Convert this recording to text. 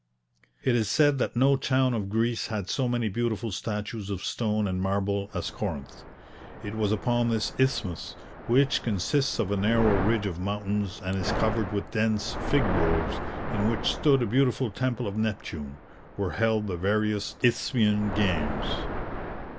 It is said that no town of Greece had so many beautiful statues of stone and marble as Corinth. It was upon this isthmus, which consists of a narrow ridge of mountains, and is covered with dense fig groves, in which stood a beautiful temple of Neptune, were held the various Isthmian games.